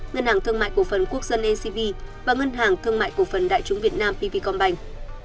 ngân hàng thương mại cổ phần quốc dân ncb và ngân hàng thương mại cổ phần đại chúng việt nam pv combank